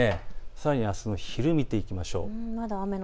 さらにあすの昼を見ていきましょう。